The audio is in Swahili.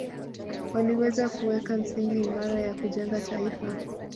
Waliweza kuweka misingi imara ya kujenga taifa